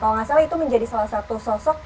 kalau nggak salah itu menjadi salah satu sosok